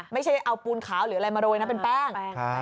ไม่ใช่เอาปูนขาวหรืออะไรมาโรยนะเป็นแป้ง